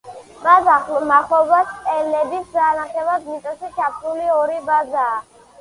მის მახლობლად სტელების სანახევროდ მიწაში ჩაფლული ორი ბაზაა.